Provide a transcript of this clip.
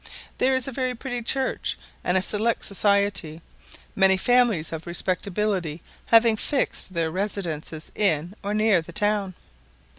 There is a very pretty church and a select society, many families of respectability having fixed their residences in or near the town.